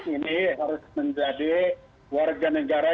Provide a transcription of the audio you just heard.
ini harus menjadi warga negara